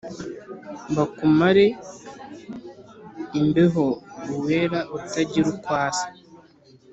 Bakumare imbeho Uwera utagira uko asa